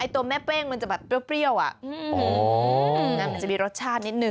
ตัวแม่เป้งมันจะแบบเปรี้ยวมันจะมีรสชาตินิดนึ